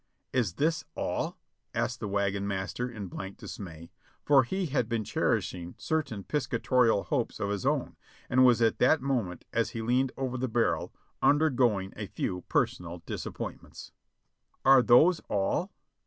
"Is this all?" asked the wagon master in blank dismay; for he had been cherishing certain piscatorial hopes of his own, and was at that moment, as he leaned over the barrel, undergoing a few personal disappointments. "Are those all?"